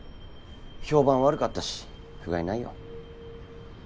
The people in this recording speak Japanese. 評判悪かったしふがいないよ。